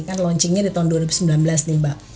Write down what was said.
kan launchingnya di tahun dua ribu sembilan belas nih mbak